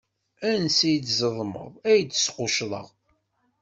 Ansi d tzedmeḍ, ay d-squccḍeɣ.